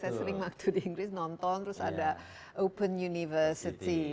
saya sering waktu di inggris nonton terus ada open university